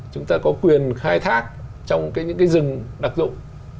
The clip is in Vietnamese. chúng ta có quyền khai thác trong những cái rừng đặc dụng